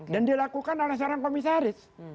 dan dilakukan oleh seorang komisaris